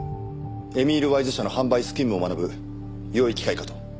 エミールワイズ社の販売スキームを学ぶよい機会かと。